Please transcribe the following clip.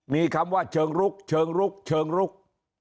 มีคำว่าเชิงลุกเชิงลุกเชิงลุก